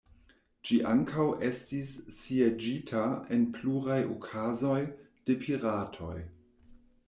Ĝi ankaŭ estis sieĝita, en pluraj okazoj, de piratoj.